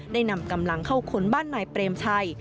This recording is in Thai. นำกำลังเข้าค้นบ้านนายเปรมชัย